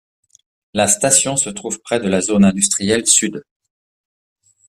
La station se trouve près de la zone industrielle sud.